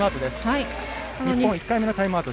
日本１回目のタイムアウト。